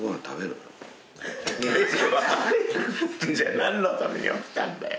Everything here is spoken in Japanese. じゃあ何のために起きたんだよ。